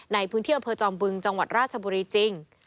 ในพื้นที่อำเภอจอมบึงจังหวัดราชบุรีจริง